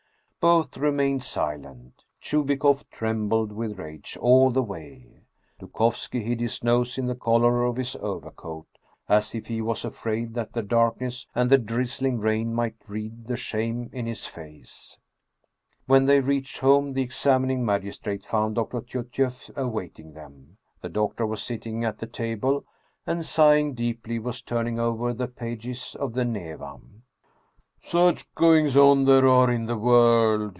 Both remained silent. Chubikoff trembled with rage all the way. Dukovski hid his nose in the collar of his overcoat, as if he was afraid that the darkness and the drizzling rain might read the shame in his face. When they reached home, the examining magistrate found Dr. Tyutyeff awaiting him. The doctor was sitting at the table, and, sighing deeply, was turning over the pages of the Neva. Anton Chekhoff " Such goings on there are in the world